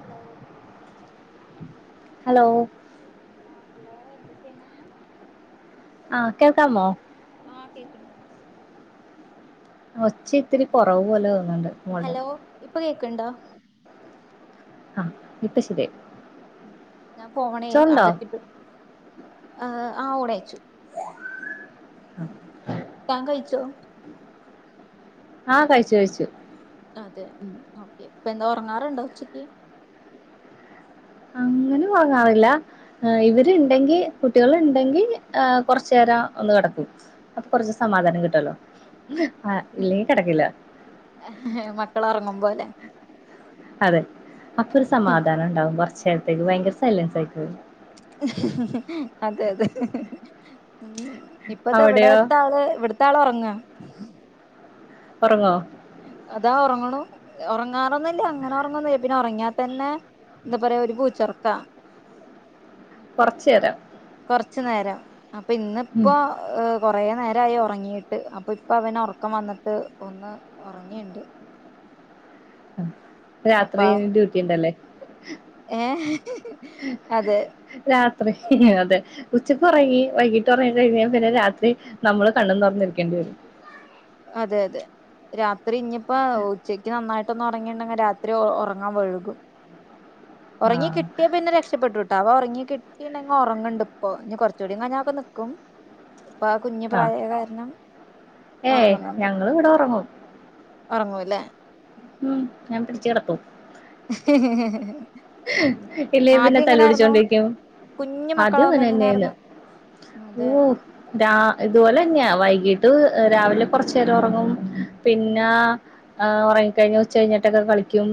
hello hello ആഹ് hello എന്താ ചെയ്യണേ ആ കേൾക്കാമോ ആഹ് കേക്കണ്ട് ഒച്ച ഇത്തിരി കൊറവ് പോലെ തോന്നുന്നുണ്ട് മോൾടെ ഹലോ ഇപ്പൊ കേക്കണ്ടോ ആ ഇപ്പ ശെരിയായി ഞാനെ ഫോണെ അകത്തിട്ട് ആ ഓടെ അയച്ചു ഉഹ താൻ കഴിച്ചോ ആഹ കഴിച്ചു കഴിച്ചു അതെ ഉ ഓക്കെ ഇപ്പൊ എന്താ ഉറങ്ങാറുണ്ടോ ഉച്ചക്ക് അങ്ങനെ ഉറങ്ങാറില്ല ഇവരുണ്ടെങ്കിൽ കുട്ടികൾ ഉണ്ടെങ്കിൽ കുറച്ച നേരം ഒന്ന് കിടക്കും അപ്പൊ കുറച്ച് സമാധാനം കിട്ടാലോ മക്കൾ ഉറങ്ങുമ്പോ അല്ലെ അതെ അപ്പൊ ഒരു സമാധാനം ഉണ്ടാവും കുറച്ച നേരത്തേക്ക് ഭയങ്കര സൈലൻസ് ആയിക്ക അതെ അതെ ഉ ഇപ്പത്തെ അവിടത്തെ ആള് ഇവിടത്തെ ആള് ഉറങ്ങാ ഉറങ്ങോ അതാ ഉറങ്ങണം ഉറങ്ങാറൊന്നുംല്ലേ അങ്ങനെ ഉറങ്ങന്ന പിന്നെ ഉറങ്ങിയാത്ത തന്നെ എന്താ പറയാ ഒരു പൂച്ചറോക്കവ കുറച്ചു നേരാം കൊറച്ചു നേരം അപ്പൊ ഉം ഇന്നിപ്പോ കുറേ നേരമായി ഉറങ്ങിയിട്ട് അപ്പൊ ഇപ്പൊ അവന ഉറക്കം വന്നിട്ട് ഒന്ന് ഉറങ്ങിണ്ട് രാത്രി ഡ്യൂട്ടി ഉണ്ടല്ലേ ഏ അതെ രാ അത്ര അതെ ഉച്ചക്ക് ഉറങ്ങി വൈകീട്ട് ഉറങ്ങി കഴിഞ്ഞാൽ പിന്നെ രാത്രി നമ്മള് കണ്ണും തുറന്നിരിക്കേണ്ടി വരും അതെ അതെ രാത്രി ഇഞ്ഞിപ്പോ ഉച്ചക്ക് നന്നായിട്ട് പെട്ടന്ന് ഉറങ്ങിയിണ്ടെങ്കിൽ രാത്രി ഉറങ്ങാൻ വഴുകും ഉറങ്ങി ആഹ് കിട്ടിയാ പിന്ന രക്ഷപ്പെട്ടിട്ടാ അവ കിട്ടിങ് ഉറങ്ങണ്ട് ഇപ്പോൊ ഇനി കൊറച്ചുകൂടി ഞൊക്കെ നക്കും അപ്പൊ ആ കുഞ്ഞു ആഹ് പ്രായ കാരണം ഏയ് ഉറങ്ങുന്നുണ്ട് ഞങ്ങള് ഇവിടെ ഉറങ്ങും ഉറങ്ങുവല്ലേ ഉം ഞാൻ പിടിച്ച കിടത്തും ഉ ഉ ഉ ഉ ഇല്ല പിന്നെ തല്ലു പിടിച്ചോണ്ടിരിക്കും കുഞ്ഞു ആദ്യം മക്കളാവുമ്പോ എങ്ങനായിരുന്നു അവനന്നെയന്ന് അതെ ഓ രാ ഇതുപോലെ തന്നെയാ വൈകീട്ട് രാവിലെ കൊറച്ചു നേരം ഉറങ്ങും ഉം പിന്നെ ആ ഉറങ്ങിക്കഴിഞ്ഞഞ് ഉച്ച കഴിഞ്ഞിട്ടൊക്കെ കളിക്കും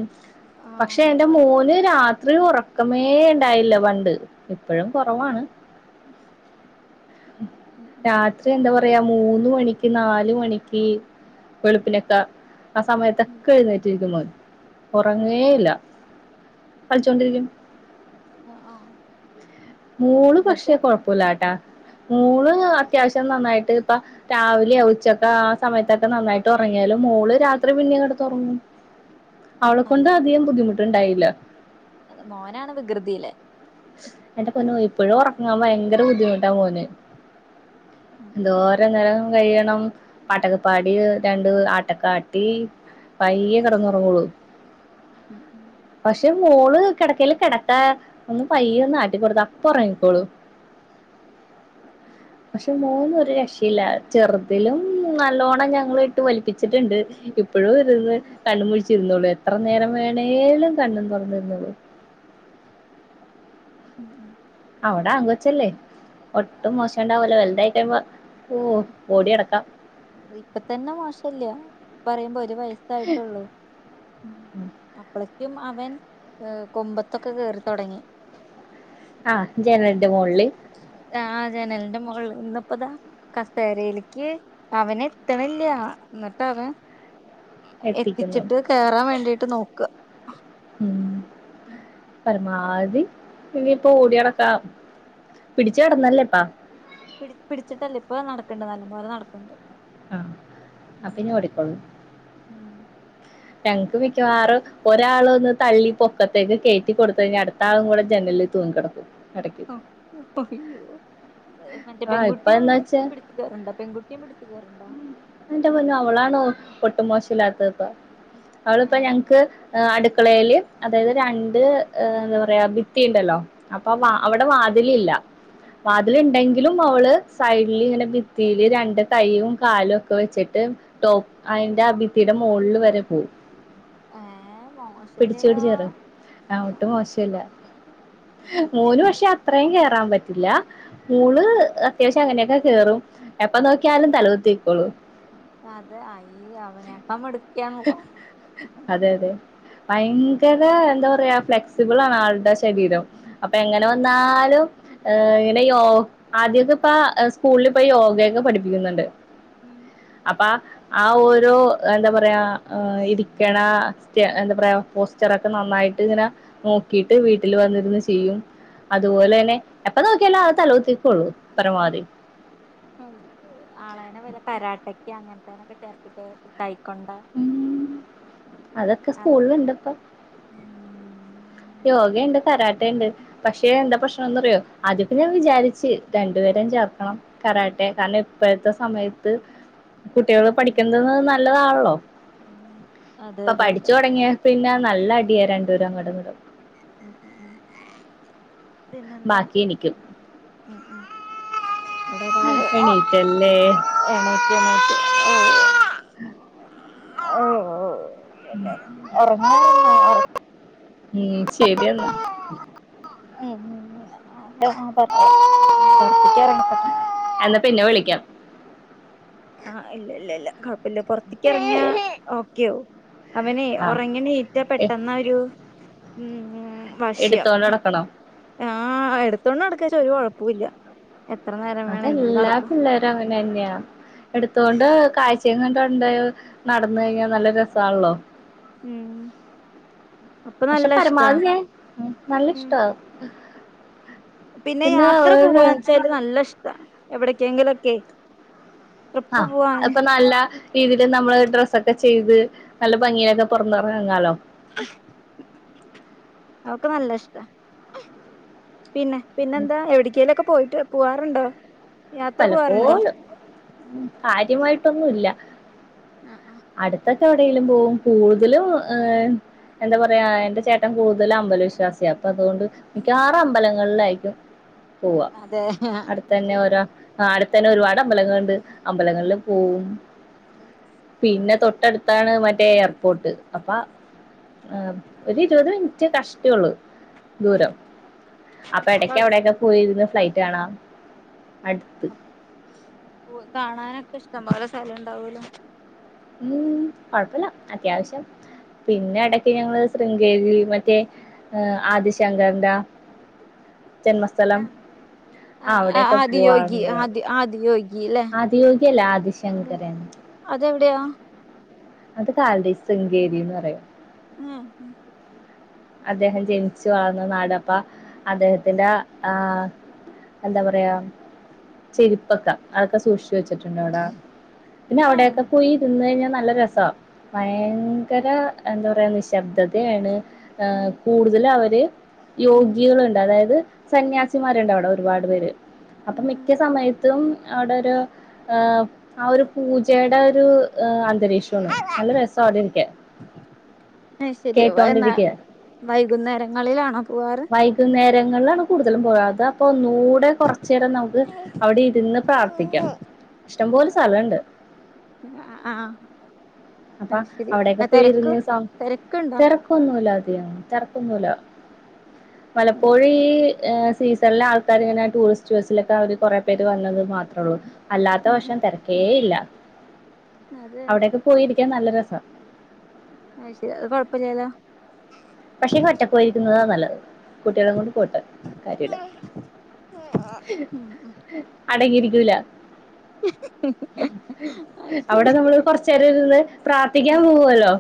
ആ പക്ഷെ എന്റെ ഇവിടെ മോന് രാ രാത്രി ഉറക്കമേ ഉണ്ടായില്ല പണ്ട് ഇപ്പഴും കുറവാണ് ഉം രാത്രി എന്താ പറ പറയാ മൂന്ന് മണിക്ക് നാല് മണിക്ക് വെളുപ്പിനൊക്കെ ആ ഉം സമയത്തൊക്കെ എഴുന്നേറ്റിരിക്കും മോൻ ഉം ഉറങ്ങേയില്ല കളിച്ചോണ്ടിരിക്കും ഉം ആഹ് ആഹ് മോള് എന്നിട്ട് പക്ഷേ കൊഴപ്പില്ലാട്ടാ ഉം മോള് അത്യാവശ്യം നന്നായിട്ട് ഇപ്പ രാവിലെയ ഉച്ചക്കെ ആ സമയത്തൊക്കെ നന്നായിട്ട് ഉറങ്ങിയാലും മോള് രാത്രി പിന്നെ ഇവിടെ തോറങ്ങും അവളെ കൊണ്ട് അതെ അധികം ബുദ്ധിമുട്ടുണ്ടായില്ല മോനാണ് വികൃതിയിലെ എന്റെ പൊന്നു ഇപ്പഴും ഉറങ്ങാൻ ഭയങ്കര ബുദ്ധിമുട്ടാ മോന് ഉം ന്തോരോ നേരം കഴിയണം പട്ടകപ്പാടി രണ്ട് ആട്ടക്കാട്ടി പയ്യ കിടന്നുറങ്ങോളൂ ഉം ഉം മോള് കിടക്കല് കിടക്കാ ഒന്ന് പയ്യെ ഒന്ന് ആട്ടിക്കൊടുത്ത അപ്പൊ ഉറങ്ങിക്കോളു പക്ഷെ മൂന്നും ഒരു രക്ഷയില്ല ചെറുതിലും നല്ലോണം ഞങ്ങ ഇട്ട് വലിപ്പിച്ചിട്ടുണ്ട് ഇപ്പോഴും ഇരുന്ന് കണ്ണും മുഴിച്ചിരുന്നുള്ളു എത്ര നേരം വേണമേലും കണ്ണും തുറന്നിരുന്നുള്ളു ഉം ഉം അവിടെ അങ്ക അത് വച്ചല്ലേ ഒട്ടും അത് മോശം ഉണ്ടാവലോ വെലുതായി കഴിയുമ്പോ ഓ ഓടി അടക്കാം ഇപ്പ തന്നെ മോശല്ല പറയുമ്പോ ഞ്ച് വയസായിട്ടുള്ളൂ അ റ്റും അവൻ ഏ കൊമ്പത്തൊക്കെ കേയറി തുടങ്ങി ആ ജനന്റെ മുകളില് അപ്പതാ കസേരയിലേക്ക് അവന എത്തണില്ല എന്നിട്ട അവൻ എത്തിക്കുന്നു എത്തിച്ചിട്ട് കേറാൻ വേണ്ടിട്ട് നോക്കുക ഉം മാതി ഇനിയിപ്പ ഓടിടക്ക പിടിച്ച് കിടന്നല്ലേപ്പാ പി പിടിച്ചിട്ടല്ലേ ഇപ്പൊ നടക്കണ്ട് നല്ല പോലെ നടക്കുന്നുണ്ട് ആ അ പിന്നെ ഓടിക്കോളൂ ഉം ഞങ്ങക്ക് മിക്കവാറും ഒരാള് ഒന്ന് തള്ളി പൊക്കത്തേക്ക് കേറ്റി കൊടുത്ത കഴിഞ്ഞ അടുത്ത ആളും കൂടെ ജനില്ല ത് തൂങ്ങി കിടക്കും ഇടയ്ക്ക് ആഹ് [unintelligible] മറ്റേ ആ ഇപ്പൊ പെൺകുട്ടിയും എന്താ വെച്ചാ പിടിച്ചു കേയറുണ്ടോ പെൺകുട്ടിയും പിടിച്ചു കേയറുണ്ടോ എന്റെ മഞ്ഞു അവളാണോ പൊട്ട് മോശ ഇല്ലാത്തത്പ്പ അവളിപ്പ ഏഹ് ഞങ്ങക്ക് അടുക്കളയില് അതായത് രണ്ട് എന്താ പറയാ ഭിത്തി ഉണ്ടല്ലോ അപ്പൊ ആഹ് അവിടെ വാതില് ഇല്ല ഉം വാതില് ഉണ്ടെങ്കിലും അവള് സൈഡിൽ ഇങ്ങനെ ഭിത്തിയില് രണ്ട് കൈയും കാലും ഒക്കെ വെച്ചിട്ട് ടോ അതിന്റെ ആ ഭിത്തി ടെ മുകള് വരും ഏഹ് പിടിച്ച് മോശല്ലല്ലോ പിടിച്ച് ഇറങ്ങും ആ ഒട്ടും മോശല്ല മൂന്ന് പക്ഷെ അത്രയും കേയറാൻ പറ്റില്ല ഉം മൂന്ന് അത്യാവശ്യം അങ്ങനെയൊക്കെ കയറും എപ്പൊ നോക്കിയാലും തലകുത്തി നിക്കുള്ളൂ അതെ അയി അവനക്കാ മിടുക്കിയ അതെ അതെ ഭയങ്കര എന്താ പറയാ ഫ്ലെക്സിബിൾ ആണ് ആളുടെ ശരീരം അപ്പൊ എങ്ങനെ ഉം വന്നാലും ഏ ഇങ്ങനെ യൊ ആദ്യമൊക്കെ ഇപ്പ സ്കൂളിൽ പോയി യോഗയൊക്കെ പഠിപ്പിക്കുന്നുണ്ട് ഉം അപ്പ ആ ഓരോ എന്താ പറയാ ആ ഇരിക്കണ സ്റ്റേ എന്താ പറയാ പോസ്റ്ററൊക്കെ നന്നായിട്ട് ഇങ്ങനെ ഉം നോക്കിട്ട് വീട്ടിൽ വന്നിന്ന് ചെയ്യും അതുപോലെ തന്നെ എപ്പ നോക്കിയാലും ആ തലക്കത്തിക്കുള്ളൂ പരമാവധി ആളേനെ വല കരാട്ടക്ക് അങ്ങനത്തേനൊക്കെ ചേർത്തിട്ട പുട്ടായി ഉം അതൊക്കെ അതെ സ്കൂളിലുണ്ട്പ്പം [inaudible] യോഗണ്ട് കരാട്ടണ്ട് പക്ഷെ എന്താ പ്രശ്നംന്ന്റിയോ അതൊക്കെ ഞാൻ വിചാരിച്ച് രണ്ടുപേ പേരെ ചേർക്കാം കരാട്ടെ കാരണം ഇപ്പോഴത്തെ സമയത്ത് കുട്ടികൾ പഠിക്കുന്നത് നല്ലതാണല്ലോ അതെ ഇപ്പൊ അതെ അതെ പഠിച്ചു തുടങ്ങിയ പിന്നെ നല്ല അടിയായി രണ്ട് പേരും അങ്ങോടും ഇങ്ങോടും ഉം ഉം ബാക്കി എനിക്കും എണീറ്റല്ലേ [unintelligible] [inaudible] ഓ ഓ ഒറങ്ങ് ഒറങ് ഉം ശരി എന്നാ [unintelligible] എന്നാ പിന്നെ വിളിക്കാം ആഹ് ഇല്ല ഇല്ല ഇല്ല കൊഴപ്പില്ല പൊറത്തേക്ക്‌റങ്ങിയാ ഓക്കെയാവും അവനെ ആഹ് ഒറങ്ങി എണീറ്റാ പെട്ടെന്ന് ആ ഒരു ഉം ഉം വശിയം എടുത്തോണ്ട് നടക്കണോ ആഹ് എടുത്തോണ്ട് നടക്കച്ചാ ഒരു കൊഴപ്പോം ഇല്ല അതെല്ലാ പിള്ളേരും അങ്ങനെ തന്നെയാ എടുത്തോണ്ട് കാഴ്ചയും കണ്ട് നടന്ന് കഴിഞ്ഞാ നല്ല രസാണല്ലോ ഉം അപ്പൊ പക്ഷെ നല്ല ഇഷ്ടാ പരമാവധി ഞാൻ നല്ല ഉം ഇഷ്ടവാ പിന്നെ യാത്ര പോവാ വെച്ചാല് നല്ല ഇഷ്ടാ എവിടക്കെങ്കിലൊക്കെയെ ആഹ് അത്പ്പൊ നല്ല രീതിൽ നമ്മള് ഡ്രസ്സൊക്കെ ചെയ്ത് നല്ല ഭംഗിയിലൊക്കെ പുറത്തെറങ്ങാലോ അതൊക്കെ നല്ല ഇഷ്ടാ പിന്നെ പിന്നെന്താ എവിടക്കേലും ഒക്കെ പോയിട്ട് പോവാറുണ്ടോ യാത്ര പോവാറുണ്ടോ പലപ്പോഴും കാര്യമായിട്ടൊന്നും ഇല്ല ആ ആഹ് [unintelligible] എവിടേലും പോകും കൂടുതലും ഏഹ് എന്താ പറയാ എന്റെ ചേട്ടൻ കൂടുതലും അമ്പലവിശ്വാസിയാ അപ്പ് അതുകൊണ്ട് മിക്കവാറും അമ്പലങ്ങളിലായിരിക്കും പോവാ അതെ അടുത്ത് തന്നെ ശരി ഓരോ ആഹ് അടുത്തന്നെ ഒരുപാട് അമ്പലങ്ങൾണ്ട് അമ്പലങ്ങളില് പോവും പിന്നെ തൊട്ടടുത്താണ് മറ്റേ എയർപോർട്ട് അപ്പ ആ ഒരു ഇരുപത് മിനിറ്റ് കഷ്ട്ടിയേ ഉള്ളു ദൂരം അപ്പൊ എടക്ക് അവിടെയൊക്കെ പോയിരുന്ന് ഫ്ലൈറ്റ് കാണാ അടുത്ത് പൂവ് കാണാനൊക്കെ ഇഷ്ടം പോലെ സ്ഥലം ഇണ്ടാവല്ലോ ഉം കൊഴപ്പില്ല അത്യാവശ്യം പിന്നെ ഇടക്ക് ഞങ്ങള് ശൃംഗേരി മറ്റേ ആദിശങ്കരൻ്റെ ആഹ് ആ അവിടെയൊക്കെ ആദ്യ യോഗി പോവാറുണ്ട് ആദ്യ ആദ്യ യോഗി ഗില്ലേ ആദിയോഗിയല്ല ആദിശങ്കരൻ അതെവിടെയാ അത് കാലടി ശൃങ്കേരീന്ന് പറയും ഉം അദ്ദേഹം ജനിച്ചു വളർന്ന നാട് അപ്പാ അദ്ദേഹത്തിന്റെ ആഹ് എന്താ പറയാ ചെരുപ്പക്കെ അതൊക്കെ സൂക്ഷിച്ചു വെച്ചിട്ടുണ്ട് അവിടാ പിന്നെ ഉം അവിടെയൊക്കെ പോയി ഇരുന്ന് കഴിഞ്ഞാ നല്ല രസാ ഭയങ്കര എന്താ പറയാ നിശബ്ദതയാണ് ഏഹ് കൂടുതല് അവര് ഉം യോഗികള്ണ്ട് അതായത് ഉം സന്യാസിമാരുണ്ട് അവിടെ ഒരുപാട് പേര് അപ്പൊ മിക്ക ഉം സമയത്തും അവിടെ ഒരു ആഹ് ആ ഒരു പൂജെടെ ഒരു ഏഹ് അന്തരീക്ഷം ആണ് നല്ല രസാ അവിടെ ഇരിക്കാൻ അത് ശരി എന്നാ കേട്ടോണ്ടിരിക്കാൻ വൈകുന്നേരങ്ങളിലാണോ പോവാറ് രങ്ങളിലാണ് കൂടുതലും പോവാ അതാപ്പൊ ന്നൂടെ കൊറച്ച് നേരം നമുക്ക് അവിടെ ഇരുന്ന് പ്രാർത്ഥിക്കാം ഇഷ്ടംപോലെ സ്ഥലംണ്ട് ആ ആഹ് അപ്പ അവിടെക്കെ പോയിരുന്ന് സം തിരക്കുണ്ടോ തെരക്കൊന്നുല്ല ഇല്ല തെരക്കൊന്നൂല്ല പലപ്പോഴി എഹ് സ് സീസണിലെ ആൾക്കാര് ഇങ്ങനെ ടൂറിസ്റ്റ് ബസിലൊക്കെ അവര് കൊറെ പേര് വന്നത് മാത്രം ഒള്ളൂ അല്ലാത്ത ഉം വശം തെരക്കേ ഇല്ല അതെ രിക്കാൻ നല്ല രസാ അത് ശെരി അത് കൊഴപ്പല്ലല്ലോ പക്ഷേ പോയിരിക്കുന്നതാ നല്ലത് കുട്ടികളെ കൊണ്ട് പോയിട്ട് കാര്യല്ല ഉം അടങ്ങിയിരിക്കൂല അത് അവിടെ ശരി നമ്മള് കൊറച്ച് നേരം ഇര്ന്ന് പ്രാർത്ഥിക്കാൻ പോവുവല്ലോ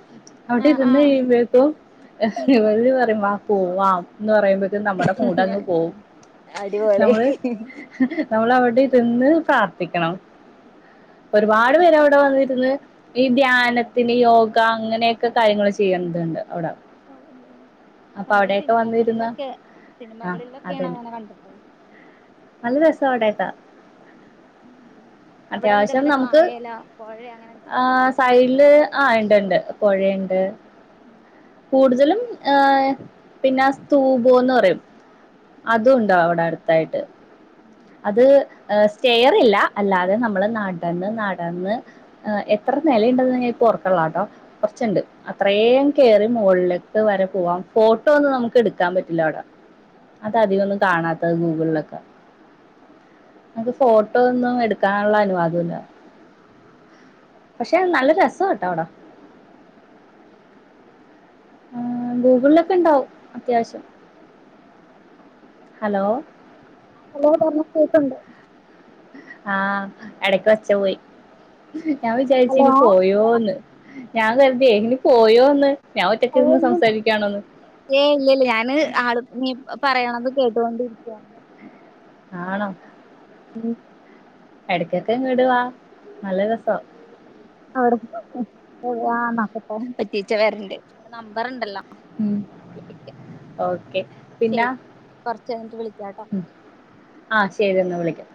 അവിടെ ആ ആ ഇരുന്ന് കഴിയുമ്പക്കും ഇവര് പറയും വാപോവാ എന്ന് പറയുമ്പ നമ്മടെ മൂടങ്ങ് പോവും അടിപൊളി നമ്മള് നമ്മള് അവിടെ ഇരുന്ന് പ്രാർത്ഥിക്കണം അത് ഒരുപാട് ശരി പേര് അവിടെ വന്നിരുന്ന് ഈ ധ്യാനത്തിന് യോഗ അങ്ങനെയൊക്കെ കാര്യങ്ങൾ ചെയ്യണ്ടതുണ്ട് അവിടെ ഓ ഓ അപ്പൊ നമ്മള് അവിടെയൊക്കെ വന്നിരുന്ന സിനിമകളിലൊക്കെ ആ സിനിമകളിലൊക്കെയാണ് അതന്നെ അങ്ങനെ കണ്ടിട്ട് നല്ല രസാ അവിടെയൊക്കെ ഉം ഉം ഉം അവിടെ എന്താ അത്യാവിശം വല്ല നമുക്ക് കായല പൊഴ അങ്ങനെ ആ എന്തേലും ഉണ്ടാ സൈഡില് ആ ഉണ്ട്ണ്ട് പൊഴയൊണ്ട് ഉം കൂടുതലും ഏ പിന്നെ സ്തൂപോന്ന് പറയും ഉം അതും ഉം ഉണ്ടോ അവിടെ അടുത്തായിട്ട് ഉം ഉം അത് ഉം സ്റ്റെയറില്ല അല്ലാതെ നമ് നമ്മള് നടന്ന് നടന്ന് എത്ര നിലയൊണ്ടെന്ന് ഞാൻ ഇപ്പ ഓർക്ക്ണില്ലട്ടോ കുറച്ച്ണ്ട് അത്ര കേറി മോളിലേക്ക് വരെ പോകാം ഫോട്ടോ ഒന്നും നമുക്ക് എടുക്കാൻ പറ്റില്ല അവ്ടെ അതാ അധികം ഒന്നും കാണാത്തത് ഗൂഗിളിലൊക്കെ നമ്ക്ക് ഫോട്ടോ ഒന്നും എടുക്കാനുള്ള അനുവാദം ഇല്ല പഷേ നല്ല രസ ട്ടോ അവിടം ആ ഗൂഗിളിലൊക്കെ ണ്ടാവും അത്യാവിശം ഹലോ ഹലോ പറഞൊ കേക്ക്ണ്ട് ആഹ് എടക്ക് ഒച്ച പോയി ഞാൻ വിചാരിച്ച് ഹലോ ഇനി പോയോന്ന് ഞാൻ കരുതിയെ ഇനി പോയോന്ന് ഞാൻ ഏയ് ഒറ്റക്കിരുന്ന് ഇല്ലല്ല സംസാരിക്കാണോന്ന് ഏയ് ഇല്ലല്ല ആണ് ആള് നീ പറയണത് കേട്ടൊണ്ടിരിക്ക്യാണ് ആണോ ഉം എടക്കൊക്കെ ഇങ്ങട് വാ നല്ല രെസാ അവടെ മ് ആഹ് നോക്കട്ടെ പറ്റിച്ചാ വരണ്ടേ എൻ്റെ നമ്പരൊണ്ടല്ലാ ഉം ഓക്കെ പിന്ന ശരി കൊറച്ച് കഴിഞ്ഞിട്ട് വിളിക്കാട്ടോ ഉം ആ ശരി എന്നാ വിളിക്കാം